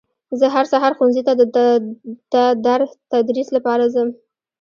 زه هر سهار ښوونځي ته در تدریس لپاره ځم